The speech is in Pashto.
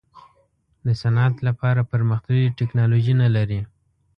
د صنعت لپاره پرمختللې ټیکنالوجي نه لري.